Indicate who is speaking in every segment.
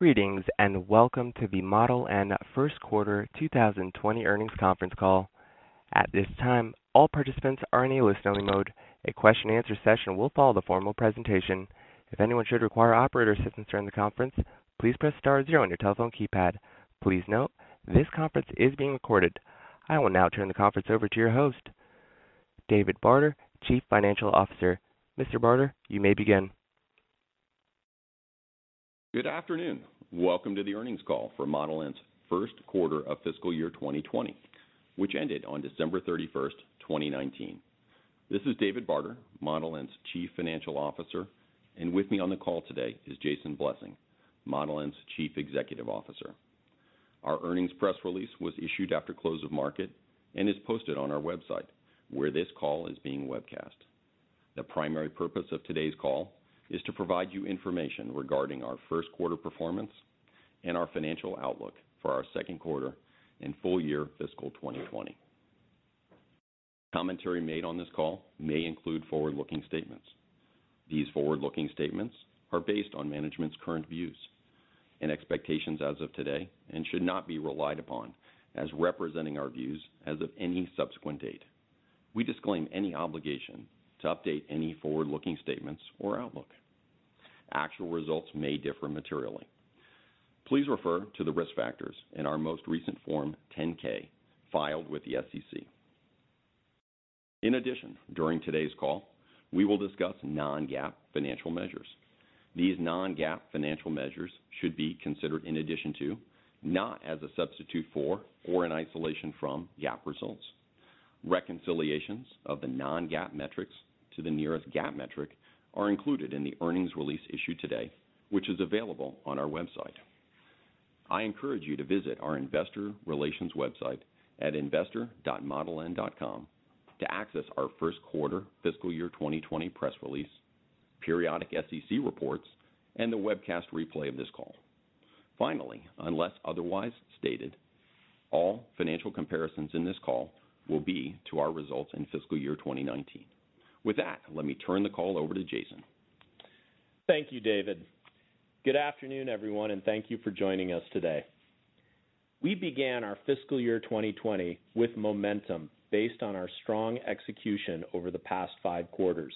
Speaker 1: Greetings, and Welcome to the Model N first quarter 2020 earnings conference call. At this time, all participants are in a listen-only mode. A question and answer session will follow the formal presentation. If anyone should require operator assistance during the conference, please press star zero on your telephone keypad. Please note, this conference is being recorded. I will now turn the conference over to your host, David Barter, Chief Financial Officer. Mr. Barter, you may begin.
Speaker 2: Good afternoon. Welcome to the earnings call for Model N's first quarter of fiscal year 2020, which ended on December 31st, 2019. This is David Barter, Model N's Chief Financial Officer, and with me on the call today is Jason Blessing, Model N's Chief Executive Officer. Our earnings press release was issued after close of market and is posted on our website where this call is being webcast. The primary purpose of today's call is to provide you information regarding our first quarter performance and our financial outlook for our second quarter and full year fiscal 2020. Commentary made on this call may include forward-looking statements. These forward-looking statements are based on management's current views and expectations as of today and should not be relied upon as representing our views as of any subsequent date. We disclaim any obligation to update any forward-looking statements or outlook. Actual results may differ materially. Please refer to the risk factors in our most recent Form 10-K filed with the SEC. In addition, during today's call, we will discuss non-GAAP financial measures. These non-GAAP financial measures should be considered in addition to, not as a substitute for, or in isolation from, GAAP results. Reconciliations of the non-GAAP metrics to the nearest GAAP metric are included in the earnings release issued today, which is available on our website. I encourage you to visit our investor relations website at investor.modeln.com to access our first quarter fiscal year 2020 press release, periodic SEC reports, and the webcast replay of this call. Finally, unless otherwise stated, all financial comparisons in this call will be to our results in fiscal year 2019. With that, let me turn the call over to Jason.
Speaker 3: Thank you, David. Good afternoon, everyone, and thank you for joining us today. We began our fiscal year 2020 with momentum based on our strong execution over the past five quarters.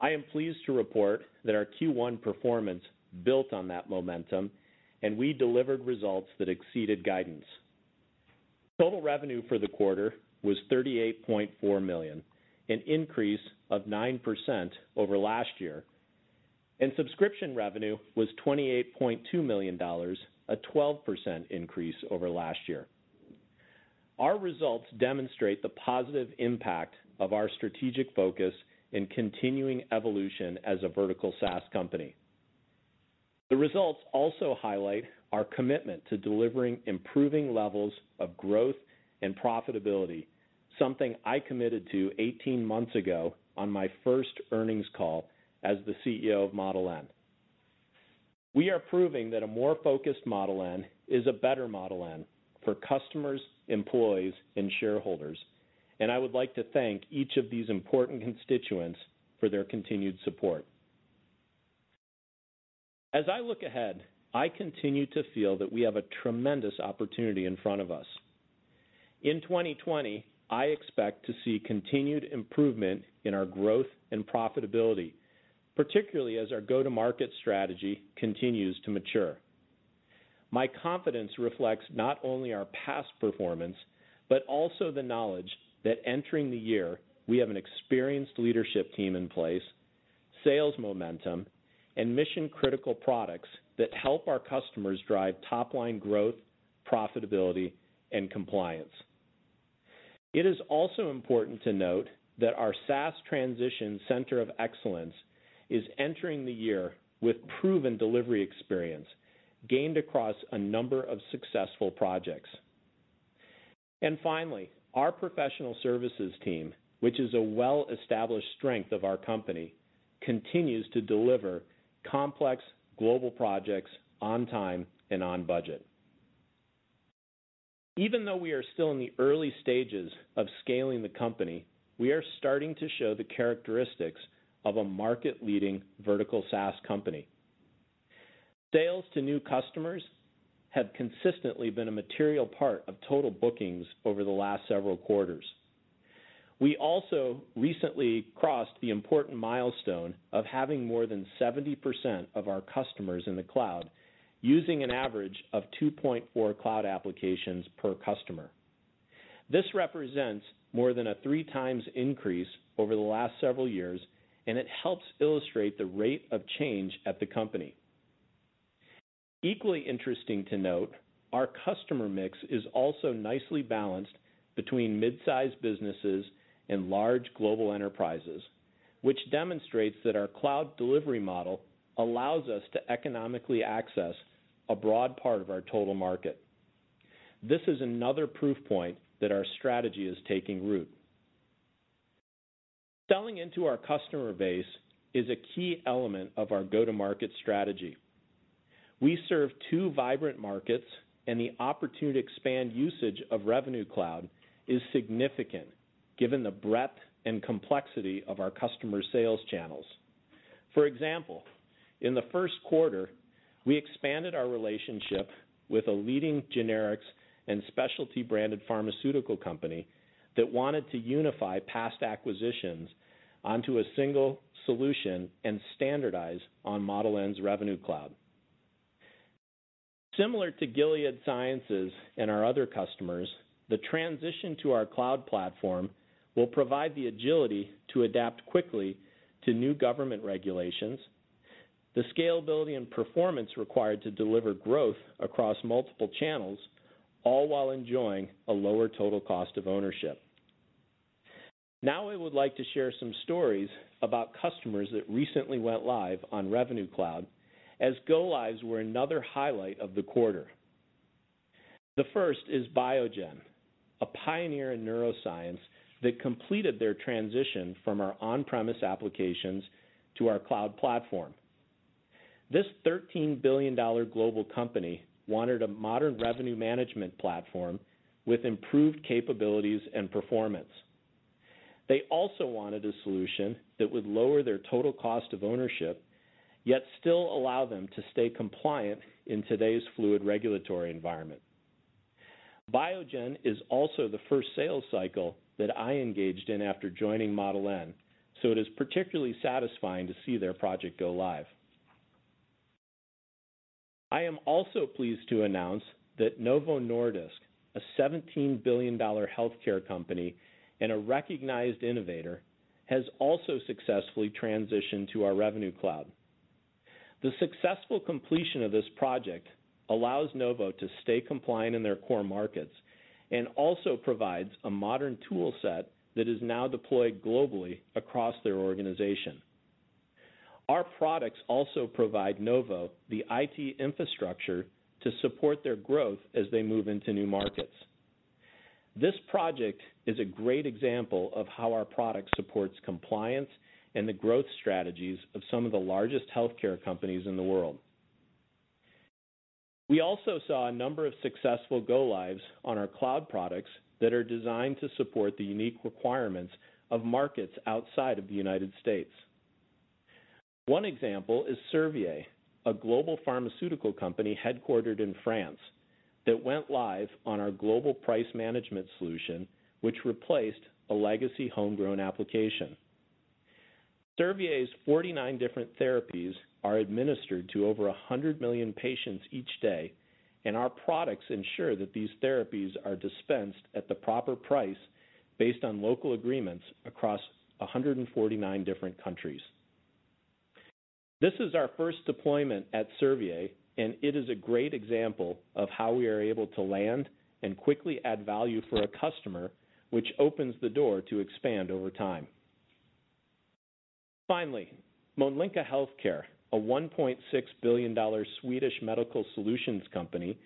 Speaker 3: I am pleased to report that our Q1 performance built on that momentum, and we delivered results that exceeded guidance. Total revenue for the quarter was $38.4 million, an increase of 9% over last year, and subscription revenue was $28.2 million, a 12% increase over last year. Our results demonstrate the positive impact of our strategic focus and continuing evolution as a vertical SaaS company. The results also highlight our commitment to delivering improving levels of growth and profitability, something I committed to 18 months ago on my first earnings call as the CEO of Model N. We are proving that a more focused Model N is a better Model N for customers, employees, and shareholders, and I would like to thank each of these important constituents for their continued support. As I look ahead, I continue to feel that we have a tremendous opportunity in front of us. In 2020, I expect to see continued improvement in our growth and profitability, particularly as our go-to-market strategy continues to mature. My confidence reflects not only our past performance, but also the knowledge that entering the year, we have an experienced leadership team in place, sales momentum, and mission-critical products that help our customers drive top-line growth, profitability, and compliance. It is also important to note that our SaaS transition center of excellence is entering the year with proven delivery experience gained across a number of successful projects. Finally, our professional services team, which is a well-established strength of our company, continues to deliver complex global projects on time and on budget. Even though we are still in the early stages of scaling the company, we are starting to show the characteristics of a market-leading vertical SaaS company. Sales to new customers have consistently been a material part of total bookings over the last several quarters. We also recently crossed the important milestone of having more than 70% of our customers in the cloud, using an average of 2.4 cloud applications per customer. This represents more than a three times increase over the last several years, and it helps illustrate the rate of change at the company. Equally interesting to note, our customer mix is also nicely balanced between mid-size businesses and large global enterprises, which demonstrates that our cloud delivery model allows us to economically access a broad part of our total market. This is another proof point that our strategy is taking root. Selling into our customer base is a key element of our go-to-market strategy. We serve two vibrant markets. The opportunity to expand usage of Revenue Cloud is significant, given the breadth and complexity of our customers' sales channels. For example, in the first quarter, we expanded our relationship with a leading generics and specialty branded pharmaceutical company that wanted to unify past acquisitions onto a single solution and standardize on Model N's Revenue Cloud. Similar to Gilead Sciences and our other customers, the transition to our cloud platform will provide the agility to adapt quickly to new government regulations, the scalability and performance required to deliver growth across multiple channels, all while enjoying a lower total cost of ownership. I would like to share some stories about customers that recently went live on Revenue Cloud, as go-lives were another highlight of the quarter. The first is Biogen, a pioneer in neuroscience that completed their transition from our on-premise applications to our cloud platform. This $13 billion global company wanted a modern revenue management platform with improved capabilities and performance. They also wanted a solution that would lower their total cost of ownership, yet still allow them to stay compliant in today's fluid regulatory environment. Biogen is also the first sales cycle that I engaged in after joining Model N, so it is particularly satisfying to see their project go live. I am also pleased to announce that Novo Nordisk, a $17 billion healthcare company and a recognized innovator, has also successfully transitioned to our Revenue Cloud. The successful completion of this project allows Novo to stay compliant in their core markets and also provides a modern toolset that is now deployed globally across their organization. Our products also provide Novo the IT infrastructure to support their growth as they move into new markets. This project is a great example of how our product supports compliance and the growth strategies of some of the largest healthcare companies in the world. We also saw a number of successful go-lives on our cloud products that are designed to support the unique requirements of markets outside of the U.S. One example is Servier, a global pharmaceutical company headquartered in France, that went live on our Global Price Management solution, which replaced a legacy homegrown application. Servier's 49 different therapies are administered to over 100 million patients each day, and our products ensure that these therapies are dispensed at the proper price based on local agreements across 149 different countries. This is our first deployment at Servier, and it is a great example of how we are able to land and quickly add value for a customer, which opens the door to expand over time. Finally, Mölnlycke Health Care, a $1.6 billion Swedish medical solutions company,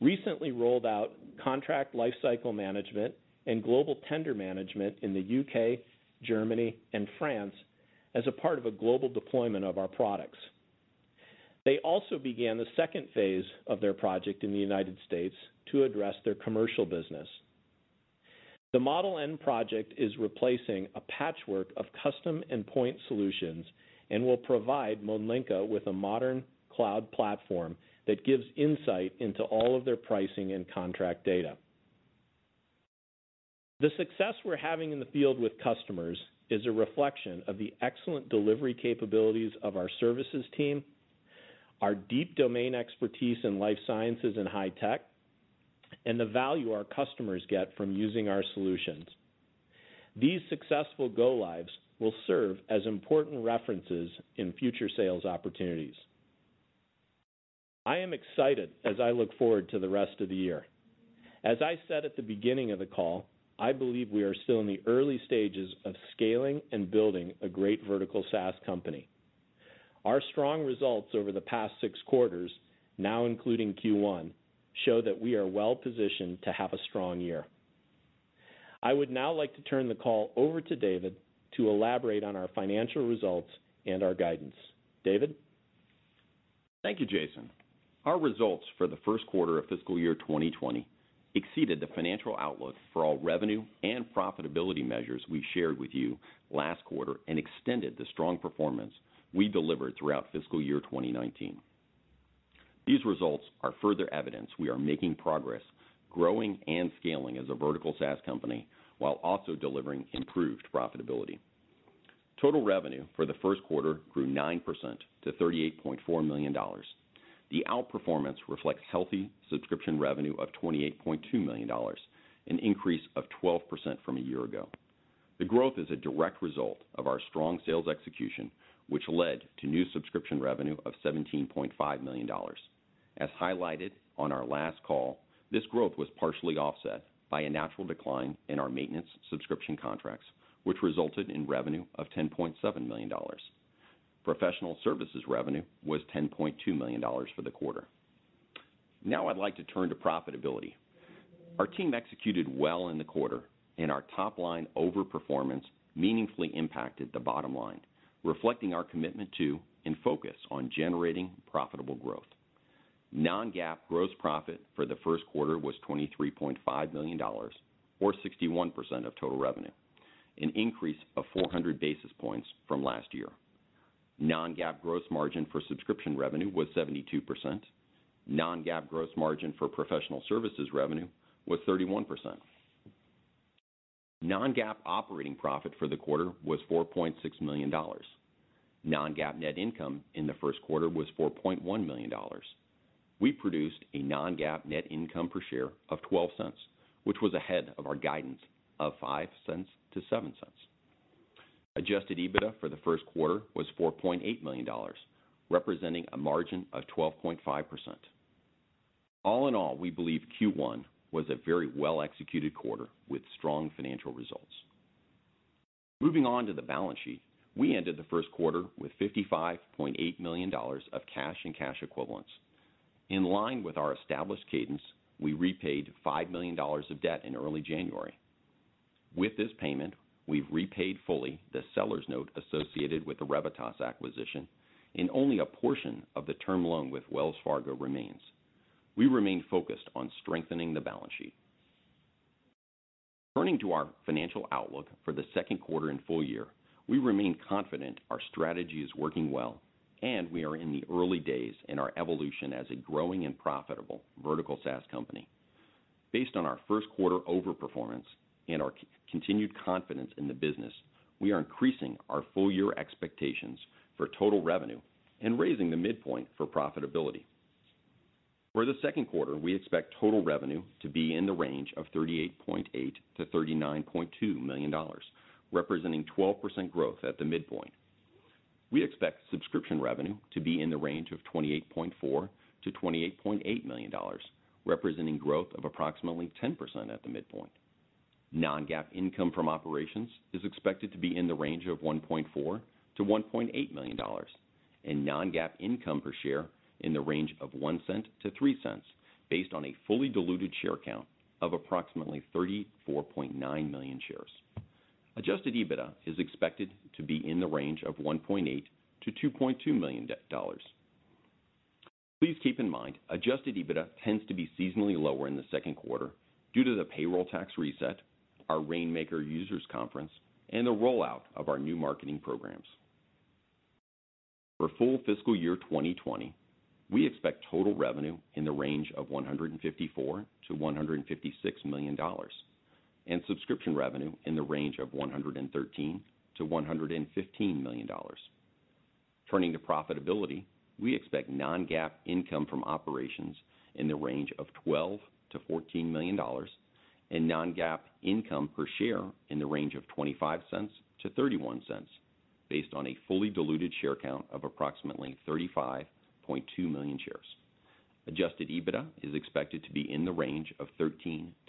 Speaker 3: recently rolled out Contract Lifecycle Management and Global Tender Management in the U.K., Germany, and France as a part of a global deployment of our products. They also began the second phase of their project in the United States to address their commercial business. The Model N project is replacing a patchwork of custom and point solutions and will provide Mölnlycke with a modern cloud platform that gives insight into all of their pricing and contract data. The success we're having in the field with customers is a reflection of the excellent delivery capabilities of our services team, our deep domain expertise in life sciences and high tech, and the value our customers get from using our solutions. These successful go-lives will serve as important references in future sales opportunities. I am excited as I look forward to the rest of the year. As I said at the beginning of the call, I believe we are still in the early stages of scaling and building a great vertical SaaS company. Our strong results over the past six quarters, now including Q1, show that we are well-positioned to have a strong year. I would now like to turn the call over to David to elaborate on our financial results and our guidance. David?
Speaker 2: Thank you, Jason. Our results for the first quarter of fiscal year 2020 exceeded the financial outlook for all revenue and profitability measures we shared with you last quarter and extended the strong performance we delivered throughout fiscal year 2019. These results are further evidence we are making progress growing and scaling as a vertical SaaS company while also delivering improved profitability. Total revenue for the first quarter grew 9% to $38.4 million. The outperformance reflects healthy subscription revenue of $28.2 million, an increase of 12% from a year ago. The growth is a direct result of our strong sales execution, which led to new subscription revenue of $17.5 million. As highlighted on our last call, this growth was partially offset by a natural decline in our maintenance subscription contracts, which resulted in revenue of $10.7 million. Professional services revenue was $10.2 million for the quarter. Now I'd like to turn to profitability. Our team executed well in the quarter, and our top-line overperformance meaningfully impacted the bottom line, reflecting our commitment to and focus on generating profitable growth. Non-GAAP gross profit for the first quarter was $23.5 million, or 61% of total revenue, an increase of 400 basis points from last year. Non-GAAP gross margin for subscription revenue was 72%. Non-GAAP gross margin for professional services revenue was 31%. Non-GAAP operating profit for the quarter was $4.6 million. Non-GAAP net income in the first quarter was $4.1 million. We produced a non-GAAP net income per share of $0.12, which was ahead of our guidance of $0.05 to $0.07. Adjusted EBITDA for the first quarter was $4.8 million, representing a margin of 12.5%. All in all, we believe Q1 was a very well-executed quarter with strong financial results. Moving on to the balance sheet, we ended the first quarter with $55.8 million of cash and cash equivalents. In line with our established cadence, we repaid $5 million of debt in early January. With this payment, we've repaid fully the seller's note associated with the Revitas acquisition, and only a portion of the term loan with Wells Fargo remains. We remain focused on strengthening the balance sheet. Turning to our financial outlook for the second quarter and full year, we remain confident our strategy is working well, and we are in the early days in our evolution as a growing and profitable vertical SaaS company. Based on our first quarter over-performance and our continued confidence in the business, we are increasing our full-year expectations for total revenue and raising the midpoint for profitability. For the second quarter, we expect total revenue to be in the range of $38.8 million-$39.2 million, representing 12% growth at the midpoint. We expect subscription revenue to be in the range of $28.4 million-$28.8 million, representing growth of approximately 10% at the midpoint. Non-GAAP income from operations is expected to be in the range of $1.4 million-$1.8 million, and non-GAAP income per share in the range of $0.01-$0.03, based on a fully diluted share count of approximately 34.9 million shares. Adjusted EBITDA is expected to be in the range of $1.8 million-$2.2 million. Please keep in mind, Adjusted EBITDA tends to be seasonally lower in the second quarter due to the payroll tax reset, our Rainmaker users conference, and the rollout of our new marketing programs. For full fiscal year 2020, we expect total revenue in the range of $154 million-$156 million, and subscription revenue in the range of $113 million-$115 million. Turning to profitability, we expect non-GAAP income from operations in the range of $12 million-$14 million, and non-GAAP income per share in the range of $0.25-$0.31, based on a fully diluted share count of approximately 35.2 million shares. Adjusted EBITDA is expected to be in the range of $13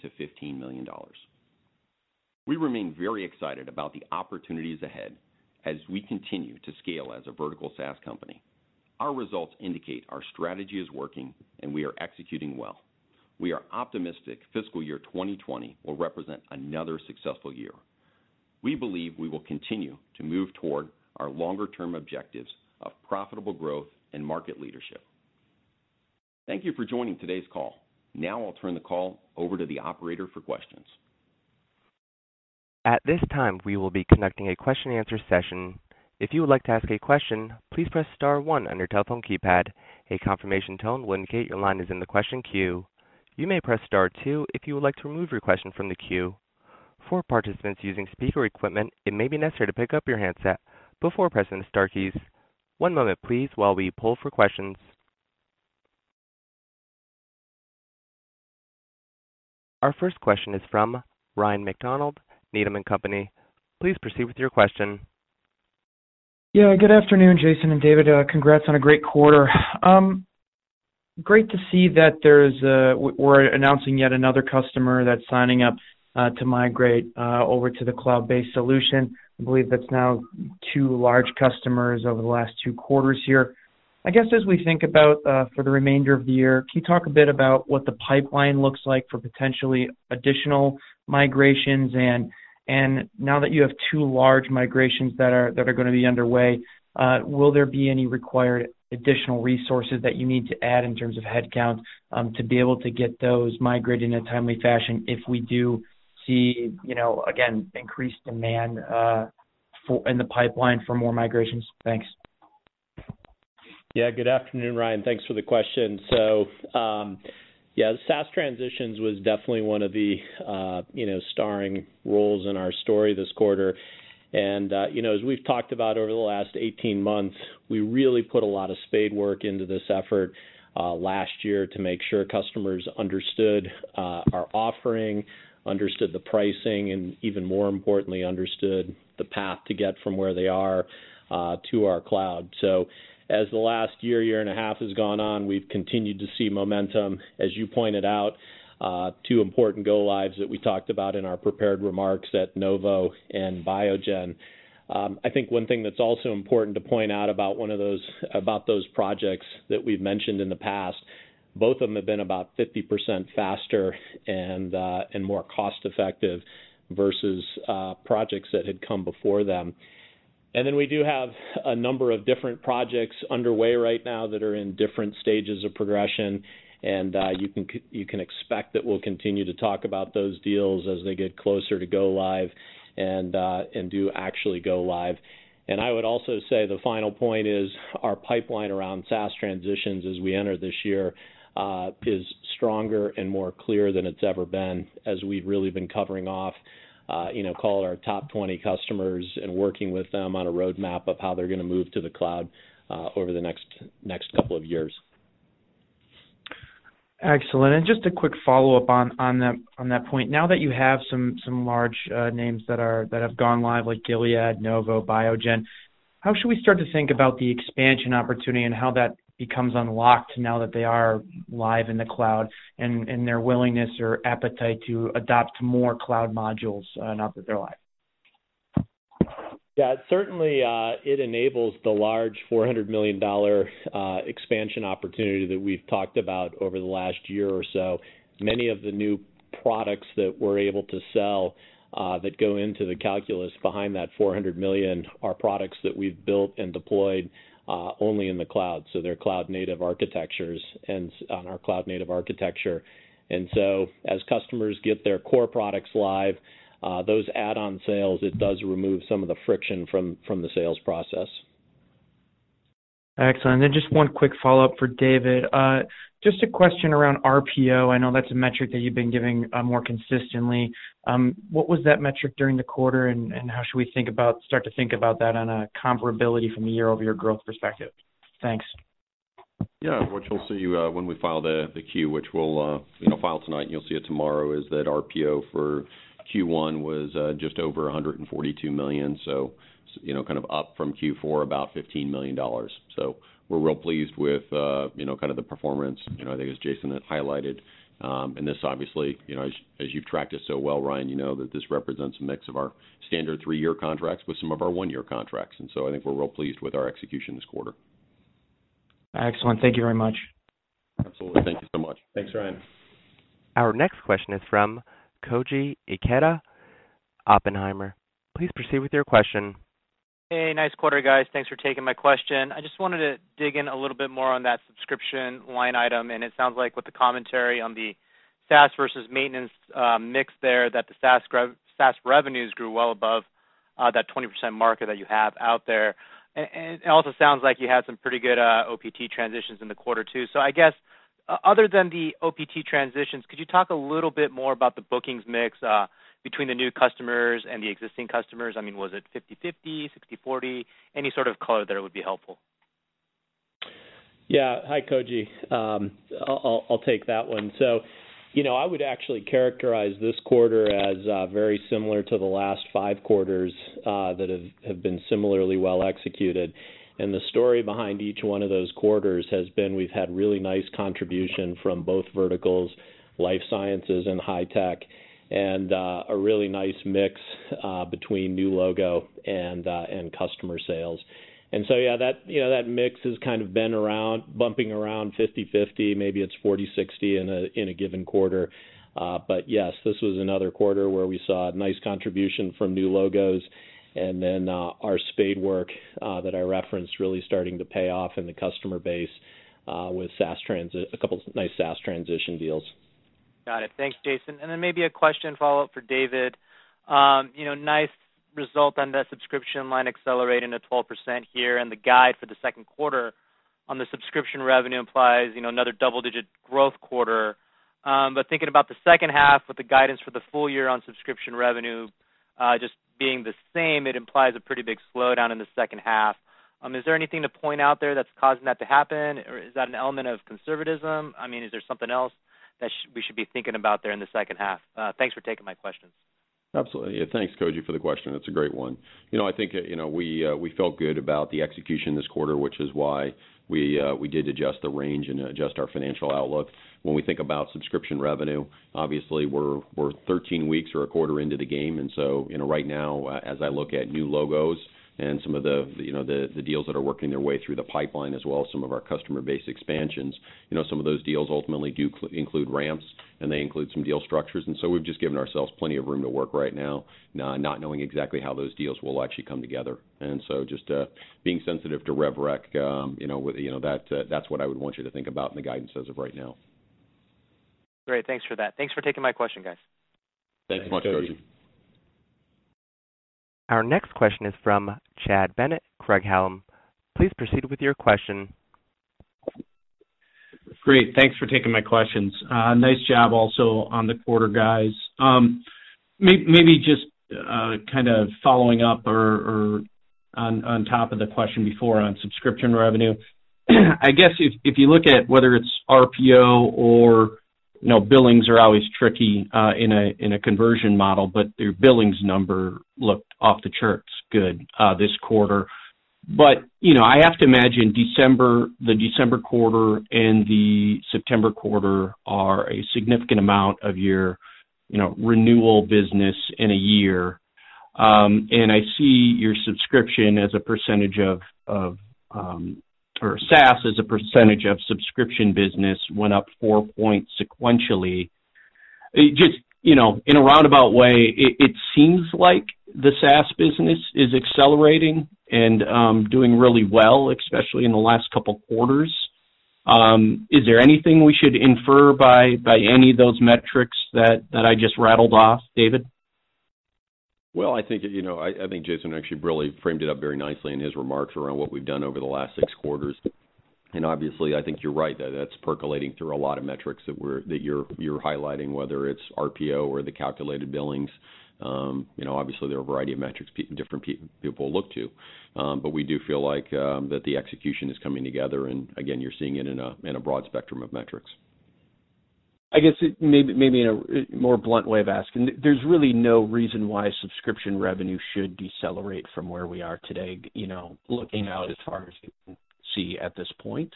Speaker 2: million-$15 million. We remain very excited about the opportunities ahead as we continue to scale as a vertical SaaS company. Our results indicate our strategy is working, and we are executing well. We are optimistic fiscal year 2020 will represent another successful year. We believe we will continue to move toward our longer-term objectives of profitable growth and market leadership. Thank you for joining today's call. Now I'll turn the call over to the operator for questions.
Speaker 1: At this time, we will be conducting a question-answer session. If you would like to ask a question, please press star one on your telephone keypad. A confirmation tone will indicate your line is in the question queue. You may press star two if you would like to remove your question from the queue. For participants using speaker equipment, it may be necessary to pick up your handset before pressing the star keys. One moment please while we poll for questions. Our first question is from Ryan MacDonald, Needham & Company. Please proceed with your question.
Speaker 4: Yeah, good afternoon, Jason and David. Congrats on a great quarter. Great to see that we're announcing yet another customer that's signing up to migrate over to the cloud-based solution. I believe that's now two large customers over the last two quarters here. I guess as we think about for the remainder of the year, can you talk a bit about what the pipeline looks like for potentially additional migrations? Now that you have two large migrations that are going to be underway, will there be any required additional resources that you need to add in terms of headcount to be able to get those migrated in a timely fashion if we do see, again, increased demand in the pipeline for more migrations? Thanks.
Speaker 3: Yeah, good afternoon, Ryan. Thanks for the question. Yeah, the SaaS transitions was definitely one of the starring roles in our story this quarter. As we've talked about over the last 18 months, we really put a lot of spadework into this effort last year to make sure customers understood our offering, understood the pricing, and even more importantly, understood the path to get from where they are to our cloud. As the last year and a half has gone on, we've continued to see momentum. As you pointed out, two important go-lives that we talked about in our prepared remarks at Novo and Biogen. I think one thing that's also important to point out about those projects that we've mentioned in the past, both of them have been about 50% faster and more cost-effective versus projects that had come before them. Then we do have a number of different projects underway right now that are in different stages of progression. You can expect that we'll continue to talk about those deals as they get closer to go live and do actually go live. I would also say the final point is our pipeline around SaaS transitions as we enter this year, is stronger and more clear than it's ever been as we've really been covering off, call it our top 20 customers, and working with them on a roadmap of how they're going to move to the cloud over the next couple of years.
Speaker 4: Excellent. Just a quick follow-up on that point. Now that you have some large names that have gone live, like Gilead, Novo, Biogen, how should we start to think about the expansion opportunity and how that becomes unlocked now that they are live in the cloud, and their willingness or appetite to adopt more cloud modules now that they're live?
Speaker 3: Yeah, certainly, it enables the large $400 million expansion opportunity that we've talked about over the last year or so. Many of the new products that we're able to sell, that go into the calculus behind that $400 million, are products that we've built and deployed only in the cloud. They're cloud-native architectures and on our cloud-native architecture. As customers get their core products live, those add-on sales, it does remove some of the friction from the sales process.
Speaker 4: Excellent. Just one quick follow-up for David. Just a question around RPO. I know that's a metric that you've been giving more consistently. What was that metric during the quarter, and how should we start to think about that on a comparability from a year-over-year growth perspective? Thanks.
Speaker 2: What you'll see when we file the Q, which we'll file tonight and you'll see it tomorrow, is that RPO for Q1 was just over $142 million, kind of up from Q4 about $15 million. We're real pleased with the performance, I think as Jason had highlighted. This obviously, as you've tracked us so well, Ryan, you know that this represents a mix of our standard three-year contracts with some of our one-year contracts. I think we're real pleased with our execution this quarter.
Speaker 4: Excellent. Thank you very much.
Speaker 3: Absolutely.
Speaker 4: Thank you so much.
Speaker 2: Thanks, Ryan.
Speaker 1: Our next question is from Koji Ikeda, Oppenheimer. Please proceed with your question.
Speaker 5: Hey, nice quarter, guys. Thanks for taking my question. I just wanted to dig in a little bit more on that subscription line item, and it sounds like with the commentary on the SaaS versus maintenance mix there, that the SaaS revenues grew well above that 20% marker that you have out there. It also sounds like you had some pretty good OPT transitions in the quarter, too. I guess, other than the OPT transitions, could you talk a little bit more about the bookings mix between the new customers and the existing customers? Was it 50/50, 60/40? Any sort of color there would be helpful.
Speaker 3: Yeah. Hi, Koji. I'll take that one. I would actually characterize this quarter as very similar to the last five quarters that have been similarly well-executed. The story behind each one of those quarters has been we've had really nice contribution from both verticals, life sciences and high tech, and a really nice mix between new logo and customer sales. Yeah, that mix has kind of been around, bumping around 50/50. Maybe it's 40/60 in a given quarter. Yes, this was another quarter where we saw a nice contribution from new logos and then our spade work that I referenced really starting to pay off in the customer base, with a couple nice SaaS transition deals.
Speaker 5: Got it. Thanks, Jason. Then maybe a question follow-up for David. Nice result on that subscription line accelerating to 12% here, and the guide for the second quarter on the subscription revenue implies another double-digit growth quarter. Thinking about the second half with the guidance for the full year on subscription revenue, just being the same, it implies a pretty big slowdown in the second half. Is there anything to point out there that's causing that to happen? Is that an element of conservatism? Is there something else that we should be thinking about there in the second half? Thanks for taking my questions.
Speaker 2: Absolutely. Yeah, thanks, Koji, for the question. That's a great one. I think we felt good about the execution this quarter, which is why we did adjust the range and adjust our financial outlook. When we think about subscription revenue, obviously we're 13 weeks or a quarter into the game, and so right now, as I look at new logos and some of the deals that are working their way through the pipeline, as well as some of our customer base expansions, some of those deals ultimately do include ramps, and they include some deal structures. We've just given ourselves plenty of room to work right now, not knowing exactly how those deals will actually come together. Just being sensitive to Revenue Recognition, that's what I would want you to think about in the guidance as of right now.
Speaker 5: Great. Thanks for that. Thanks for taking my question, guys.
Speaker 3: Thanks so much, Koji.
Speaker 2: Thanks, Koji.
Speaker 1: Our next question is from Chad Bennett, Craig-Hallum. Please proceed with your question.
Speaker 6: Great. Thanks for taking my questions. Nice job also on the quarter, guys. Maybe just kind of following up or on top of the question before on subscription revenue. I guess if you look at whether it's RPO or billings are always tricky in a conversion model, but your billings number looked off the charts good this quarter. I have to imagine the December quarter and the September quarter are a significant amount of your renewal business in a year. I see your subscription as a percentage of, or SaaS as a percentage of subscription business went up four points sequentially. Just in a roundabout way, it seems like the SaaS business is accelerating and doing really well, especially in the last couple of quarters. Is there anything we should infer by any of those metrics that I just rattled off, David?
Speaker 2: Well, I think Jason actually really framed it up very nicely in his remarks around what we've done over the last six quarters. Obviously, I think you're right, that's percolating through a lot of metrics that you're highlighting, whether it's RPO or the calculated billings. Obviously, there are a variety of metrics different people look to. We do feel like that the execution is coming together and again, you're seeing it in a broad spectrum of metrics.
Speaker 6: I guess maybe in a more blunt way of asking, there's really no reason why subscription revenue should decelerate from where we are today, looking out as far as you can see at this point?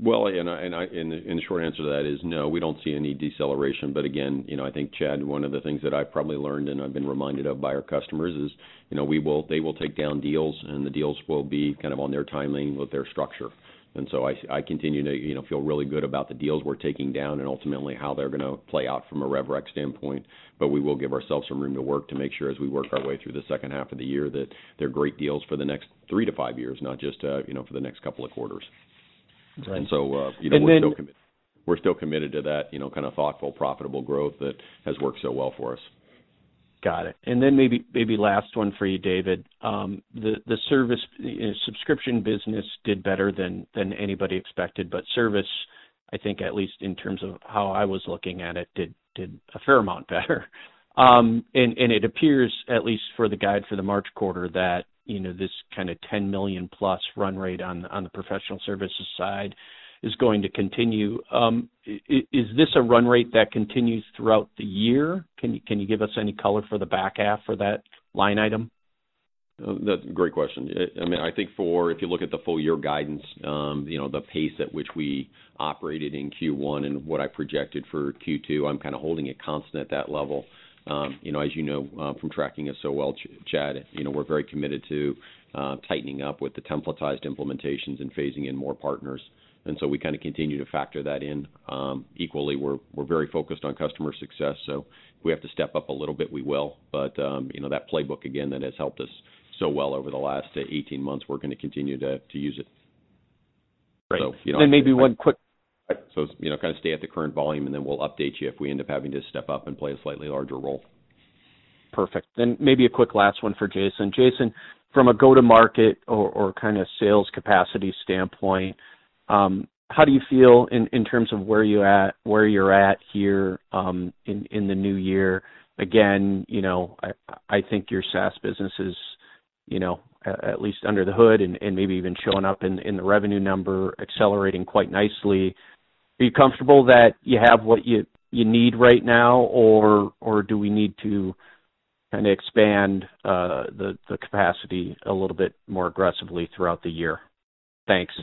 Speaker 2: Well, the short answer to that is no, we don't see any deceleration. Again, I think, Chad, one of the things that I've probably learned and I've been reminded of by our customers is, they will take down deals, and the deals will be on their timing with their structure. I continue to feel really good about the deals we're taking down and ultimately how they're going to play out from a Revenue Recognition standpoint. We will give ourselves some room to work to make sure as we work our way through the second half of the year, that they're great deals for the next three to five years, not just for the next couple of quarters.
Speaker 6: Right.
Speaker 2: And so-
Speaker 6: And then-
Speaker 2: We're still committed to that kind of thoughtful, profitable growth that has worked so well for us.
Speaker 6: Got it. Maybe last one for you, David. The subscription business did better than anybody expected, but service, I think at least in terms of how I was looking at it, did a fair amount better. It appears, at least for the guide for the March quarter, that this kind of 10 million-plus run rate on the professional services side is going to continue. Is this a run rate that continues throughout the year? Can you give us any color for the back half for that line item?
Speaker 2: That's a great question. I think if you look at the full-year guidance, the pace at which we operated in Q1 and what I projected for Q2, I'm kind of holding it constant at that level. As you know from tracking us so well, Chad, we're very committed to tightening up with the templatized implementations and phasing in more partners. We continue to factor that in. Equally, we're very focused on customer success, so if we have to step up a little bit, we will. That playbook, again, that has helped us so well over the last 18 months, we're going to continue to use it.
Speaker 6: Great.
Speaker 2: So-
Speaker 6: And then maybe one quick-
Speaker 2: Can't stay at the current volume, and then we'll update you if we end up having to step up and play a slightly larger role.
Speaker 6: Perfect. Maybe a quick last one for Jason. Jason, from a go-to-market or kind of sales capacity standpoint, how do you feel in terms of where you're at here in the new year? I think your SaaS business is, at least under the hood and maybe even showing up in the revenue number, accelerating quite nicely. Are you comfortable that you have what you need right now, or do we need to expand the capacity a little bit more aggressively throughout the year? Thanks.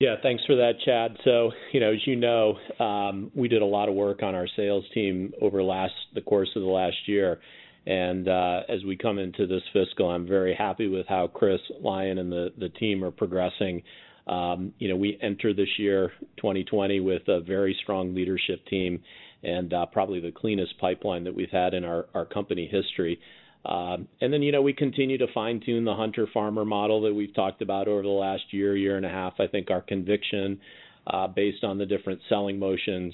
Speaker 3: Yeah. Thanks for that, Chad. As you know, we did a lot of work on our sales team over the course of the last year. As we come into this fiscal, I'm very happy with how Chris Lyon and the team are progressing. We enter this year, 2020, with a very strong leadership team and probably the cleanest pipeline that we've had in our company history. We continue to fine-tune the hunter/farmer model that we've talked about over the last year and a half. I think our conviction, based on the different selling motions,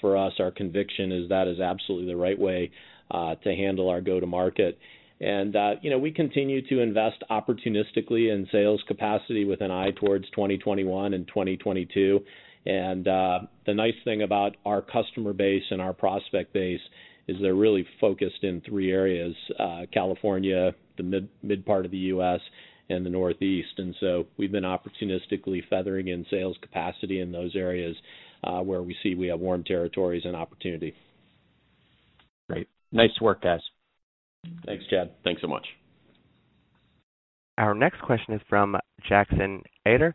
Speaker 3: for us, our conviction is that is absolutely the right way to handle our go-to-market. We continue to invest opportunistically in sales capacity with an eye towards 2021 and 2022. The nice thing about our customer base and our prospect base is they're really focused in three areas: California, the mid part of the U.S., and the Northeast. We've been opportunistically feathering in sales capacity in those areas, where we see we have warm territories and opportunity.
Speaker 6: Great. Nice work, guys.
Speaker 3: Thanks, Chad.
Speaker 2: Thanks so much.
Speaker 1: Our next question is from Jackson Ader,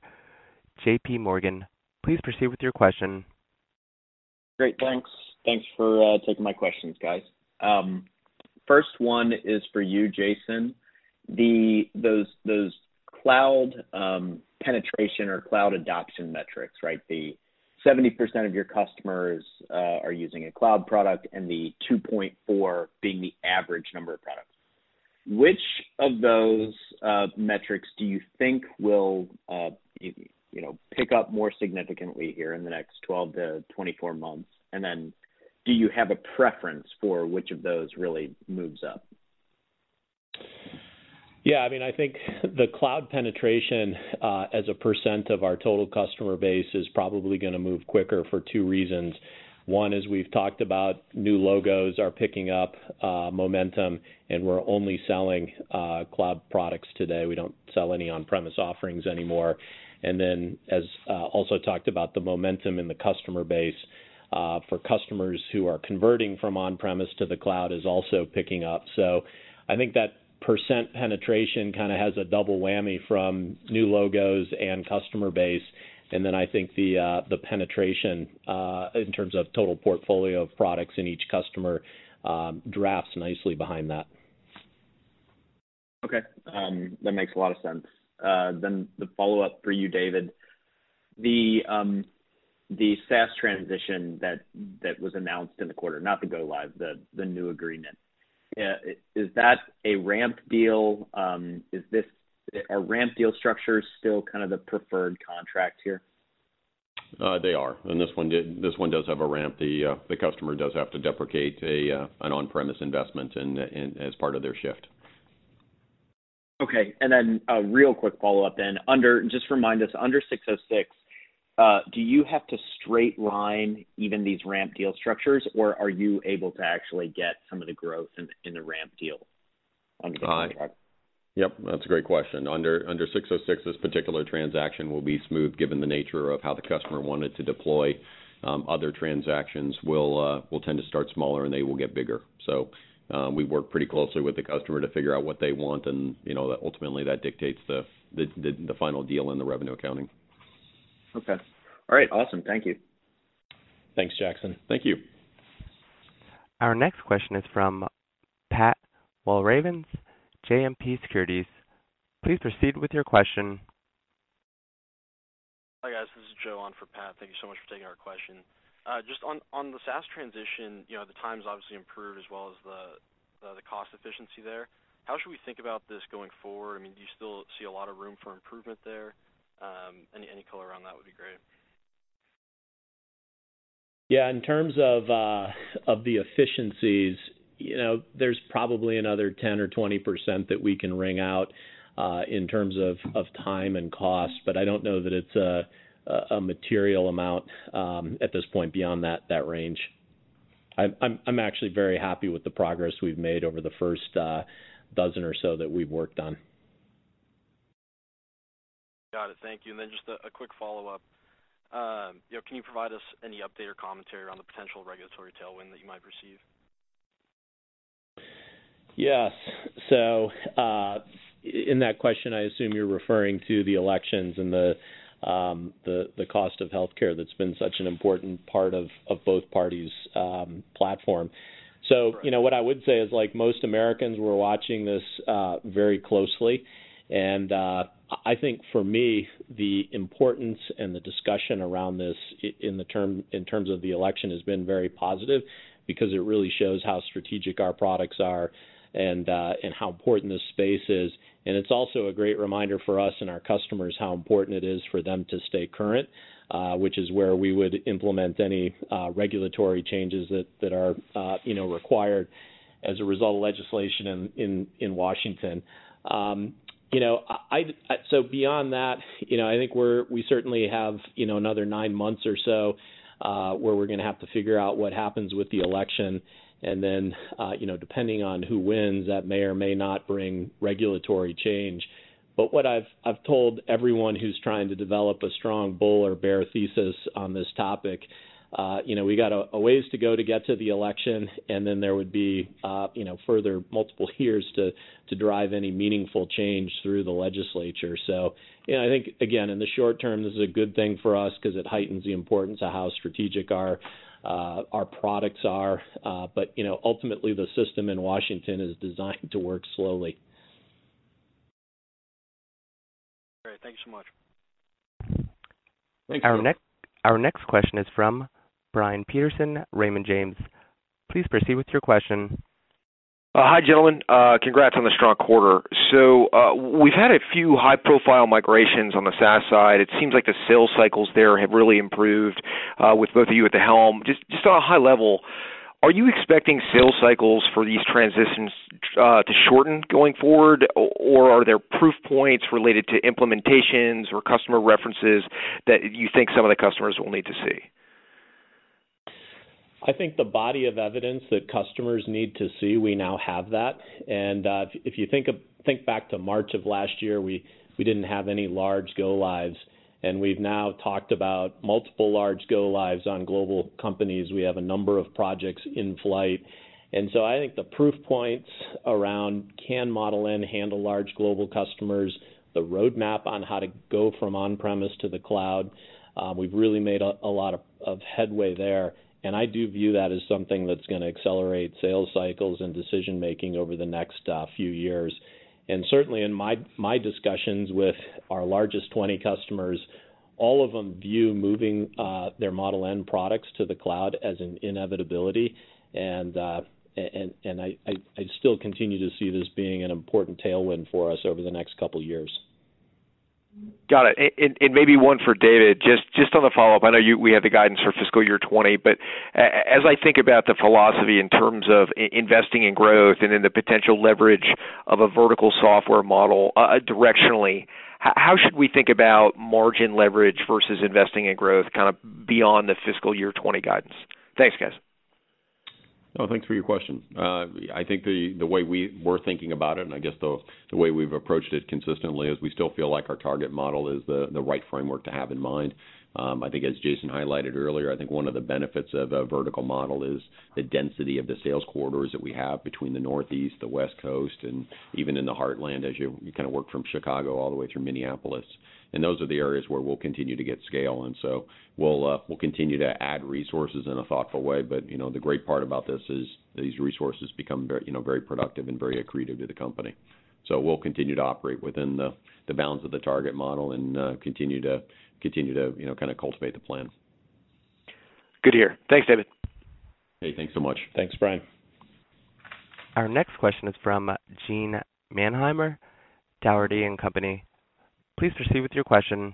Speaker 1: JPMorgan. Please proceed with your question.
Speaker 7: Great. Thanks. Thanks for taking my questions, guys. First one is for you, Jason. Those cloud penetration or cloud adoption metrics, right? The 70% of your customers are using a cloud product and the 2.4 being the average number of products. Which of those metrics do you think will pick up more significantly here in the next 12-24 months? Do you have a preference for which of those really moves up?
Speaker 3: Yeah, I think the cloud penetration, as a percent of our total customer base, is probably gonna move quicker for two reasons. One is we've talked about new logos are picking up momentum, and we're only selling cloud products today. We don't sell any on-premise offerings anymore. As also talked about, the momentum in the customer base, for customers who are converting from on-premise to the cloud is also picking up. I think that percent penetration kind of has a double whammy from new logos and customer base. I think the penetration, in terms of total portfolio of products in each customer, drafts nicely behind that.
Speaker 7: Okay. That makes a lot of sense. The follow-up for you, David. The SaaS transition that was announced in the quarter, not the go-live, the new agreement. Is that a ramp deal? Are ramp deal structures still kind of the preferred contract here?
Speaker 2: They are. This one does have a ramp. The customer does have to deprecate an on-premise investment as part of their shift.
Speaker 7: Okay. A real quick follow-up then. Just remind us, under 606, do you have to straight line even these ramp deal structures, or are you able to actually get some of the growth in the ramp deal on the contract?
Speaker 2: Yep, that's a great question. Under 606, this particular transaction will be smooth given the nature of how the customer wanted to deploy. Other transactions will tend to start smaller, and they will get bigger. We work pretty closely with the customer to figure out what they want and, ultimately, that dictates the final deal and the revenue accounting.
Speaker 7: Okay. All right, awesome. Thank you.
Speaker 3: Thanks, Jackson.
Speaker 2: Thank you.
Speaker 1: Our next question is from Pat Walravens, JMP Securities. Please proceed with your question.
Speaker 8: Hi, guys. This is Joe on for Pat. Thank you so much for taking our question. On the SaaS transition, the time's obviously improved as well as the cost efficiency there. How should we think about this going forward? Do you still see a lot of room for improvement there? Any color around that would be great.
Speaker 3: Yeah, in terms of the efficiencies, there's probably another 10% or 20% that we can wring out, in terms of time and cost. I don't know that it's a material amount, at this point, beyond that range. I'm actually very happy with the progress we've made over the first dozen or so that we've worked on.
Speaker 8: Got it. Thank you. Then just a quick follow-up. Can you provide us any update or commentary on the potential regulatory tailwind that you might receive?
Speaker 3: Yes. In that question, I assume you're referring to the elections and the cost of healthcare that's been such an important part of both parties' platform.
Speaker 8: Right.
Speaker 3: What I would say is, like most Americans, we're watching this very closely. I think for me, the importance and the discussion around this in terms of the election has been very positive because it really shows how strategic our products are and how important this space is. It's also a great reminder for us and our customers how important it is for them to stay current, which is where we would implement any regulatory changes that are required as a result of legislation in Washington. Beyond that, I think we certainly have another nine months or so, where we're going to have to figure out what happens with the election. Depending on who wins, that may or may not bring regulatory change. What I've told everyone who's trying to develop a strong bull or bear thesis on this topic, we got a ways to go to get to the election, there would be further multiple years to drive any meaningful change through the legislature. I think, again, in the short term, this is a good thing for us because it heightens the importance of how strategic our products are. Ultimately, the system in Washington is designed to work slowly.
Speaker 8: Great. Thank you so much.
Speaker 3: Thanks.
Speaker 1: Our next question is from Brian Peterson, Raymond James. Please proceed with your question.
Speaker 9: Hi, gentlemen. Congrats on the strong quarter. We've had a few high-profile migrations on the SaaS side. It seems like the sales cycles there have really improved, with both of you at the helm. Just on a high level, are you expecting sales cycles for these transitions to shorten going forward? Are there proof points related to implementations or customer references that you think some of the customers will need to see?
Speaker 3: I think the body of evidence that customers need to see, we now have that. If you think back to March of last year, we didn't have any large go-lives, and we've now talked about multiple large go-lives on global companies. We have a number of projects in flight. I think the proof points around can Model N handle large global customers, the roadmap on how to go from on-premise to the cloud, we've really made a lot of headway there, and I do view that as something that's going to accelerate sales cycles and decision-making over the next few years. Certainly in my discussions with our largest 20 customers, all of them view moving their Model N products to the cloud as an inevitability. I'd still continue to see this being an important tailwind for us over the next couple of years.
Speaker 9: Got it. Maybe one for David, just on the follow-up. I know we have the guidance for fiscal year 2020, but as I think about the philosophy in terms of investing in growth and in the potential leverage of a vertical software model directionally, how should we think about margin leverage versus investing in growth kind of beyond the fiscal year 2020 guidance? Thanks, guys.
Speaker 2: Thanks for your question. I think the way we're thinking about it, and I guess the way we've approached it consistently, is we still feel like our target model is the right framework to have in mind. I think as Jason highlighted earlier, I think one of the benefits of a vertical model is the density of the sales corridors that we have between the Northeast, the West Coast, and even in the Heartland, as you kind of work from Chicago all the way through Minneapolis. Those are the areas where we'll continue to get scale. We'll continue to add resources in a thoughtful way. The great part about this is these resources become very productive and very accretive to the company. We'll continue to operate within the bounds of the target model and continue to kind of cultivate the plan.
Speaker 9: Good to hear. Thanks, David.
Speaker 2: Hey, thanks so much.
Speaker 3: Thanks, Brian.
Speaker 1: Our next question is from Gene Mannheimer, Dougherty & Company. Please proceed with your question.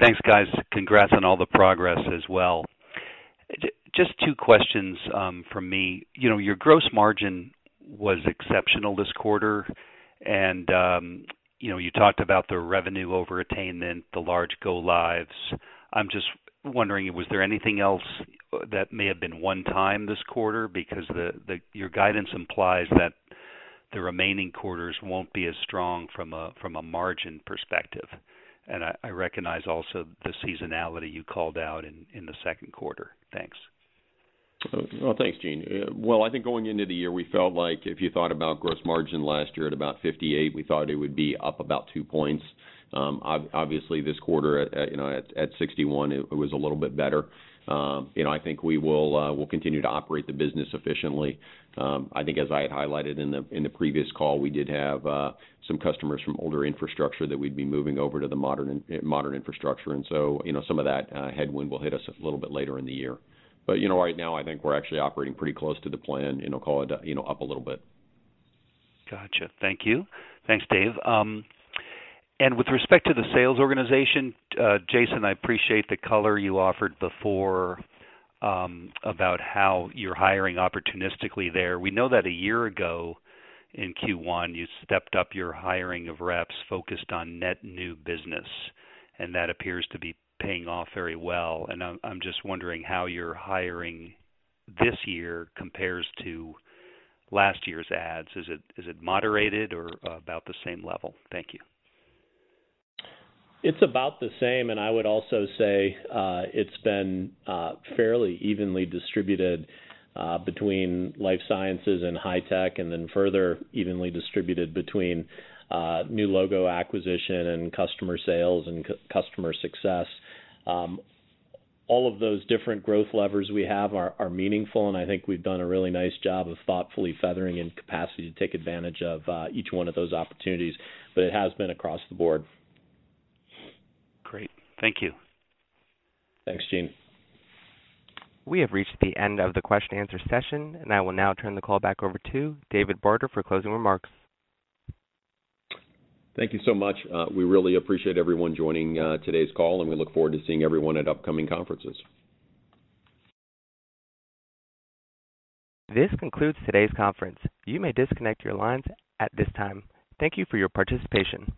Speaker 10: Thanks, guys. Congrats on all the progress as well. Just two questions from me. Your gross margin was exceptional this quarter, and you talked about the revenue over-attainment, the large go lives. I'm just wondering, was there anything else that may have been one time this quarter? Because your guidance implies that the remaining quarters won't be as strong from a margin perspective, and I recognize also the seasonality you called out in the second quarter. Thanks.
Speaker 2: Well, thanks, Gene. Well, I think going into the year, we felt like if you thought about gross margin last year at about 58, we thought it would be up about two points. Obviously this quarter at 61, it was a little bit better. I think we'll continue to operate the business efficiently. I think as I had highlighted in the previous call, we did have some customers from older infrastructure that we'd be moving over to the modern infrastructure, and so some of that headwind will hit us a little bit later in the year. Right now, I think we're actually operating pretty close to the plan, call it up a little bit.
Speaker 10: Got you. Thank you. Thanks, Dave. With respect to the sales organization, Jason, I appreciate the color you offered before, about how you're hiring opportunistically there. We know that a year ago in Q1, you stepped up your hiring of reps focused on net new business, and that appears to be paying off very well. I'm just wondering how your hiring this year compares to last year's ads. Is it moderated or about the same level? Thank you.
Speaker 3: It's about the same. I would also say, it's been fairly evenly distributed between life sciences and high tech, further evenly distributed between new logo acquisition and customer sales and customer success. All of those different growth levers we have are meaningful. I think we've done a really nice job of thoughtfully feathering in capacity to take advantage of each one of those opportunities. It has been across the board.
Speaker 10: Great. Thank you.
Speaker 3: Thanks, Gene.
Speaker 1: We have reached the end of the question and answer session, and I will now turn the call back over to David Barter for closing remarks.
Speaker 2: Thank you so much. We really appreciate everyone joining today's call, and we look forward to seeing everyone at upcoming conferences.
Speaker 1: This concludes today's conference. You may disconnect your lines at this time. Thank you for your participation.